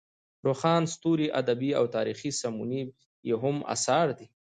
روښان ستوري ادبي او تاریخي سمونې یې هم اثار دي.